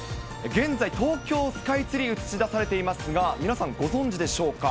現在、東京スカイツリー、映し出されていますが、皆さん、ご存じでしょうか。